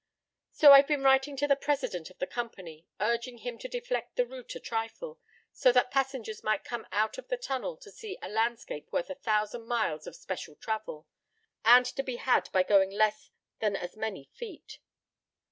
"So I've been writing to the president of the company, urging him to deflect the route a trifle, so that passengers might come out of the tunnel to see a landscape worth a thousand miles of special travel, and to be had by going less than as many feet.